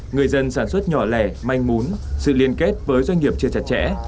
người dân sản xuất nhỏ lẻ manh mún sự liên kết với doanh nghiệp chưa chặt chẽ